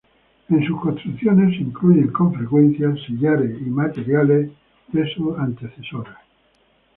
En sus construcciones se incluyen con frecuencia sillares y materiales de su antecesora.